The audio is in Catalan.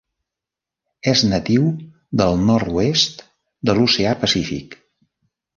És natiu del nord-oest de l'Oceà Pacífic.